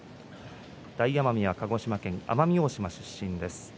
大奄美が鹿児島奄美大島の出身です。